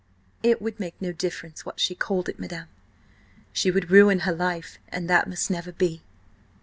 "It would make no difference what she called it, madam. She would ruin her life, and that must never be."